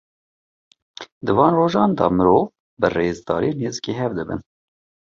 Di van rojan de mirov, bi rêzdarî nêzîkî hev dibin.